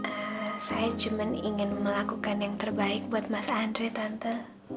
eee saya cuman ingin melakukan yang terbaik buat mas andre tante